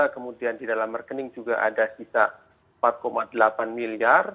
kemudian di dalam rekening juga ada sisa empat delapan miliar